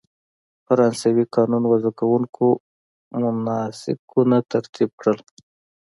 فرانسوي قانون وضع کوونکو مناسکونه ترتیب کړل.